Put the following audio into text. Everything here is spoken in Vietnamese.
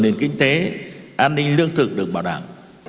nền kinh tế an ninh lương thực được bảo đảm